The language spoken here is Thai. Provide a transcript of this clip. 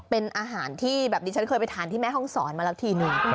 เป็นอาหารชั้นเคยไปทานที่แม่ห้องศรมาแล้วทีหนึ่ง